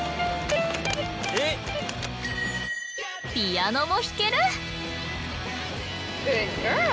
ピアノも弾ける。